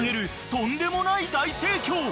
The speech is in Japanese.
とんでもない大盛況］